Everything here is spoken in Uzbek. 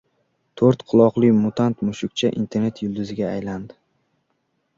To‘rt quloqli mutant-mushukcha internet yulduziga aylandi